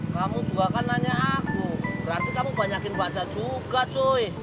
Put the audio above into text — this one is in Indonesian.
kamu juga kan nanya aku berarti kamu banyakin baca juga cuy